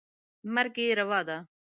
مرګ یې روا دی.